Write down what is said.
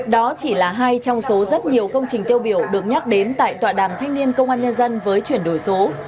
đó chỉ là hai trong số rất nhiều công trình tiêu biểu được nhắc đến tại tòa đàm thanh niên công an nhân dân với chuyển đổi số